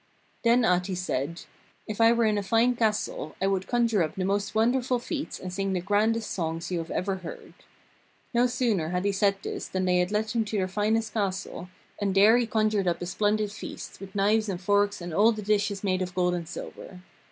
Then Ahti said: 'If I were in a fine castle I would conjure up the most wonderful feasts and sing the grandest songs you have ever heard.' No sooner had he said this than they led him to their finest castle, and there he conjured up a splendid feast, with knives and forks and all the dishes made of gold and silver.